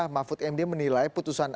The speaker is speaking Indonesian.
mahfud md menilai putusan